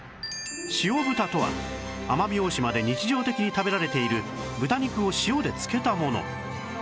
塩豚とは奄美大島で日常的に食べられている豚肉を塩で漬けたもの